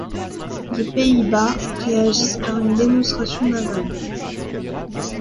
Les Pays-Bas réagissent par une démonstration navale.